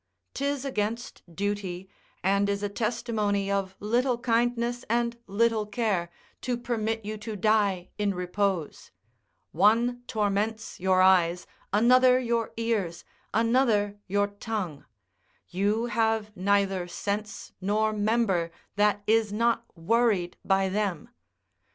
'Tis against duty, and is a testimony of little kindness and little care, to permit you to die in repose; one torments your eyes, another your ears, another your tongue; you have neither sense nor member that is not worried by them.